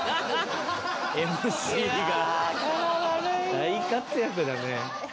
大活躍だね。